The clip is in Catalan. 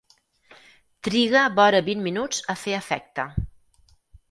Triga vora vint minuts a fer efecte.